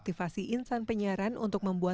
tiga dua satu